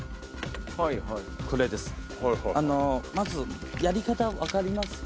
まずやり方分かりますか？